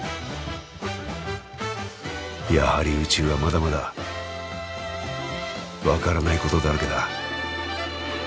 やはり宇宙はまだまだ分からないことだらけだ。